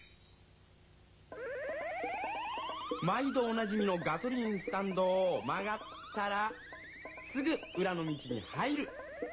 毎どおなじみのガソリンスタンドをまがったらすぐうらの道に入る。